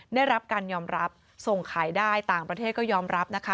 ได้รับการยอมรับส่งขายได้ต่างประเทศก็ยอมรับนะคะ